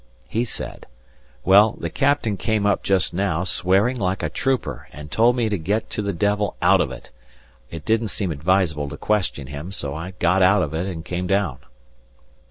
He said: "Well, the Captain came up just now, swearing like a trooper, and told me to get to the devil out of it; it didn't seem advisable to question him, so I got out of it and came down."